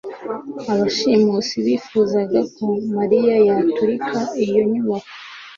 Abashimusi bifuzaga ko mariya yaturika iyo nyubako